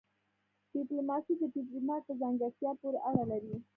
ډيپلوماسي د ډيپلومات په ځانګړتيا پوري اړه لري.